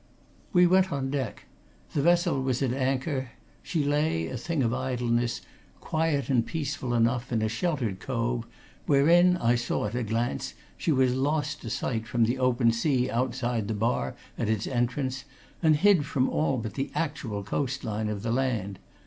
We went on deck. The vessel was at anchor; she lay, a thing of idleness, quiet and peaceful enough, in a sheltered cove, wherein, I saw at a glance, she was lost to sight from the open sea outside the bar at its entrance, and hid from all but the actual coastline of the land.